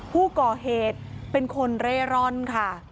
ผู้ก่อเหตุเป็นคนเร่ร่อนค่ะ